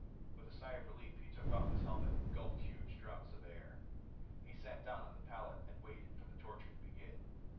With a sigh of relief he took off his helmet and gulped huge draughts of the air. He sat down on the pallet and waited for the torture to begin.